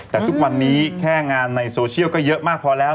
แต่ทุกวันนี้แค่งานในโซเชียลก็เยอะมากพอแล้ว